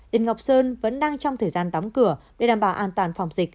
đền ngọc sơn vẫn đang trong thời gian đóng cửa để đảm bảo an toàn phòng dịch